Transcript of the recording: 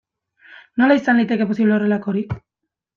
Nola izan liteke posible horrelakorik?